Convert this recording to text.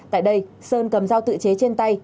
tại đây sơn cầm dao tự chế trên tay